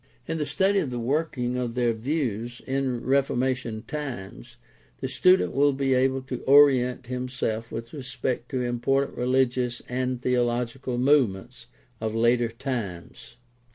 In the study of the working of their views in Reformation times the student will be able to orient himself with regard to important religious and theological movements of later times.